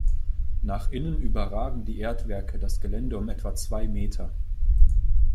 Nach Innen überragen die Erdwerke das Gelände um etwa zwei Meter.